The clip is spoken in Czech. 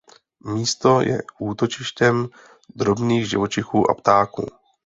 Místo je útočištěm drobných živočichů a ptáků.